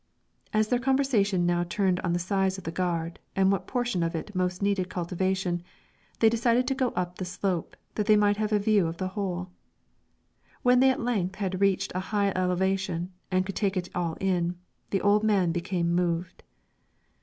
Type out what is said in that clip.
As their conversation now turned on the size of the gard, and what portion of it most needed cultivation, they decided to go up the slope that they might have a view of the whole. When they at length had reached a high elevation, and could take it all in, the old man became moved.